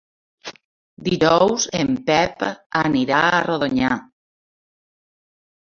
Dijous en Pep anirà a Rodonyà.